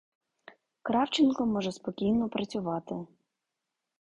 Кравченко може спокійно працювати.